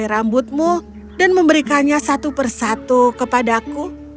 tiga helai rambutmu dan memberikannya satu persatu kepadaku